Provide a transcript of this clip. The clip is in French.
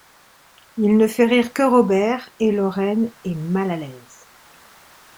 Il ne fait rire que Robert, et Lorraine est mal à l'aise.